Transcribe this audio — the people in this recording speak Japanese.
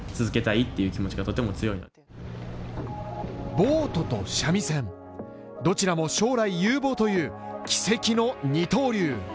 ボートと三味線、どちらも将来有望という奇跡の二刀流。